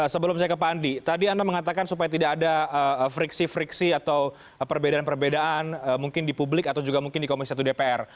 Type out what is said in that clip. sebelum saya ke pak andi tadi anda mengatakan supaya tidak ada friksi friksi atau perbedaan perbedaan mungkin di publik atau juga mungkin di komisi satu dpr